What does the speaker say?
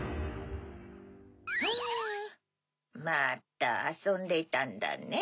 フゥまたあそんでいたんだね。